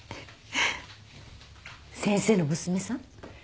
先生の娘さん？